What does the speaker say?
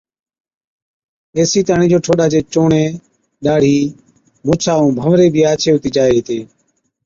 ايسِي تاڻِين جو ٺوڏا چي چُونڻي، ڏاڙهِي، مُڇا ائُون ڀنوَري بِي آڇي هُتِي جائي هِتي۔